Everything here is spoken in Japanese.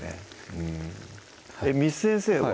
うん簾先生は？